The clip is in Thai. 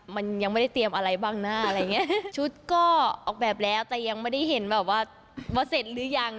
มันยังไม่ได้เตรียมอะไรบ้างนะชุดก็ออกแบบแล้วแต่ยังไม่ได้เห็นว่าเสร็จหรือยัง